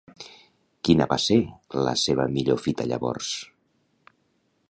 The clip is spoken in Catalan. Quina va ser la seva millor fita llavors?